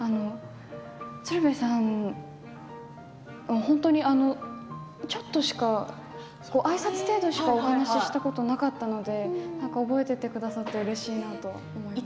鶴瓶さん、ちょっとしかあいさつ程度しかお話したことなかったので覚えててくださってうれしいなと思います。